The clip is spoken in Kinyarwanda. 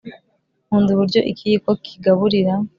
nkunda uburyo ikiyiko kigaburira